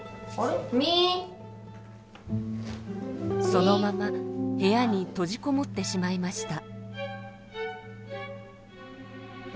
そのまま部屋に閉じこもってしまいました。